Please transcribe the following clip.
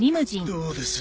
どうです？